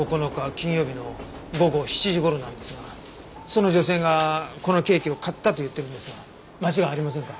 金曜日の午後７時頃なんですがその女性がこのケーキを買ったと言ってるんですが間違いありませんか？